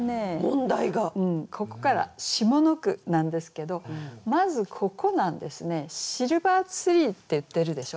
ここから下の句なんですけどまずここなんですね「シルバーツリー」って言ってるでしょ。